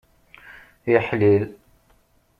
Iḥlil.